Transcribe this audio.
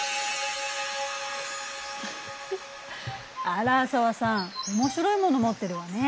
あら紗和さん面白いもの持ってるわね。